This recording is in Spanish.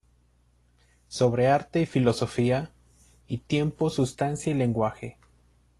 Sobre arte y filosofía" y "Tiempo, sustancia y lenguaje.